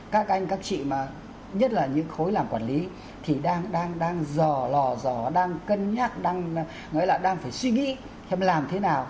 các anh các chị nhất là những khối làm quản lý thì đang dò lò dò đang cân nhắc đang phải suy nghĩ làm thế nào